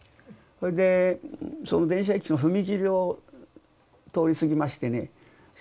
それでその電車いつも踏切を通り過ぎましてね